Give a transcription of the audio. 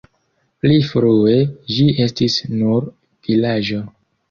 Pli frue ĝi estis nur vilaĝo.